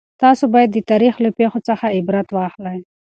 تاسو باید د تاریخ له پېښو څخه عبرت واخلئ.